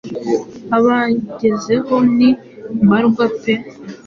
abangezeho ni mbarwa pe